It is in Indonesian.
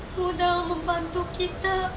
mudah membantu kita